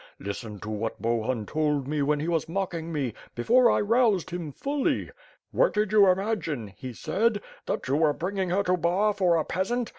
Listen to what Bohun told me when he was mocking me, before I roused him fully. 'What did you imagine,' (he said) ^that you were bringing her to Bar for a peasant?